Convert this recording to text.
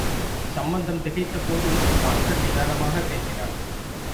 சம்பந்தம் திகைத்தபோது, டாக்டர் நிதானமாகப் பேசினார்.